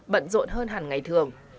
bận rộn hơn hẳn ngày thường